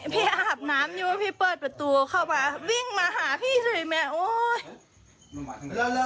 พี่อาบน้ำอยู่พี่เปิดประตูเข้ามาวิ่งมาหาพี่เฉยแม่โอ๊ย